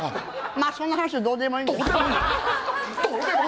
まあ、そんな話はどうでもいいけど。